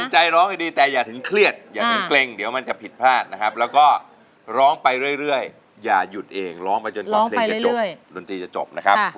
ใช้ครับ